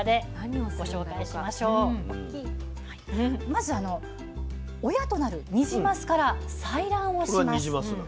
まず親となるニジマスから採卵をします。